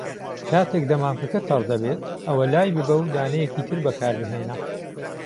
کاتێک دەمامکەکە تەڕ دەبێت، ئەوە لایببە و دانەیەکی تر بەکاربهێنە.